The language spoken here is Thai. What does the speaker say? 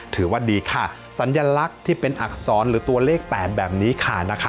ถือว่าดีค่ะสัญลักษณ์ที่เป็นอักษรหรือตัวเลข๘แบบนี้ค่ะนะคะ